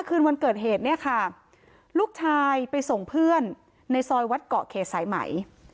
คืนวันเกิดเหตุเนี่ยค่ะลูกชายไปส่งเพื่อนในซอยวัดเกาะเขตสายไหม